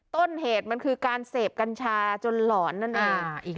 ต้นเหตุมันคือการเสพกัญชาจนหลอนนั่นเอง